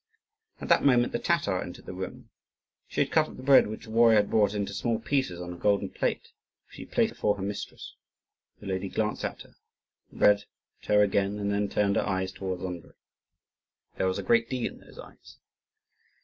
At that moment the Tatar entered the room. She had cut up the bread which the warrior had brought into small pieces on a golden plate, which she placed before her mistress. The lady glanced at her, at the bread, at her again, and then turned her eyes towards Andrii. There was a great deal in those eyes.